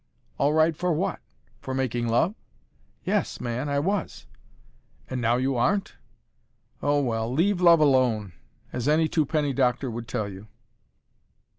"All right for what? for making love?" "Yes, man, I was." "And now you aren't? Oh, well, leave love alone, as any twopenny doctor would tell you."